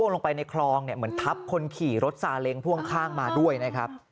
ลงไปในคลองเนี่ยเหมือนทับคนขี่รถซาเล้งพ่วงข้างมาด้วยนะครับ